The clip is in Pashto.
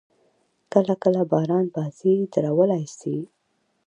کله – کله باران بازي درولای سي.